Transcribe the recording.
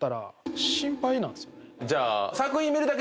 じゃあ。